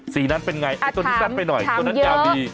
สีนั้นเป็นไงไอ้ตัวนี้สับไปหน่อยตัวนั้นจะดีถามเยอะ